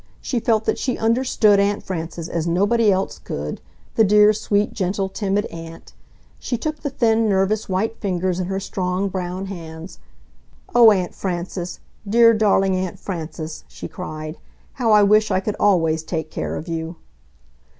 She felt that she UNDERSTOOD Aunt Frances as nobody else could, the dear, sweet, gentle, timid aunt! She took the thin, nervous white fingers in her strong brown hands. "Oh, Aunt Frances, dear, darling Aunt Frances!" she cried, "how I wish I could ALWAYS take care of you."